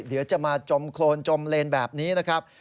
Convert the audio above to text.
เดี๋ยวจะมาจมโครนจมเลนแบบนี้นะครับ